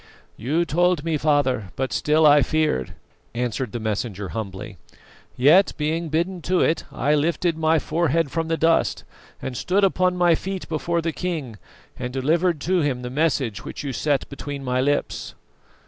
"You told me, father, but still I feared," answered the messenger humbly. "Yet, being bidden to it, I lifted my forehead from the dust and stood upon my feet before the king, and delivered to him the message which you set between my lips."